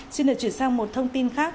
xin được chuyển sang một thông tin khác